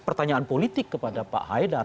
pertanyaan politik kepada pak haidar